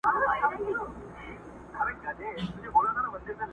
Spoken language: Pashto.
او چوپتيا خپره ده هر ځای